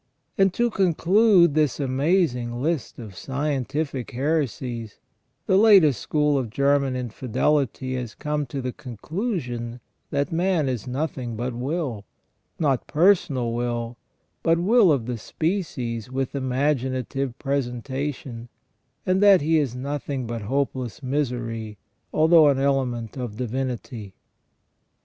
And to conclude this amazing list of scientific heresies, the latest school of German infidelity has come to the conclusion that man is nothing but will, not personal will, but will of the species with imaginative presentation, and that he is nothing but hopeless misery, although an element of divinity.